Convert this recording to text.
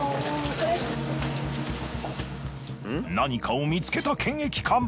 何かを見つけた検疫官。